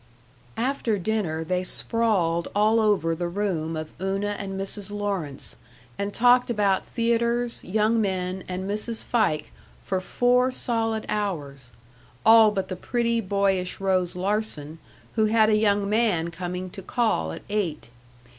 After dinner they sprawled all over the room of Una and Mrs. Lawrence, and talked about theaters, young men, and Mrs. Fike for four solid hours all but the pretty, boyish Rose Larsen, who had a young man coming to call at eight.